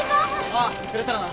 ああ釣れたらな。